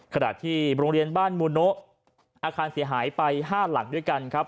ขณะที่โรงเรียนบ้านมูโนะอาคารเสียหายไป๕หลักด้วยกันครับ